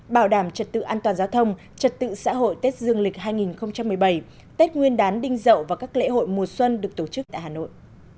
bảo đảm trật tự an toàn giao thông trật tự xã hội tết dương lịch hai nghìn một mươi bảy tết nguyên đán đinh dậu và các lễ hội mùa xuân được tổ chức tại hà nội